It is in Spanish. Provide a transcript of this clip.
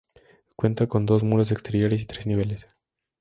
Cuenta con dos muros exteriores y tres niveles.